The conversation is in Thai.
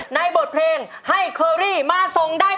ในบทเพลงให้เคอรี่มาส่งได้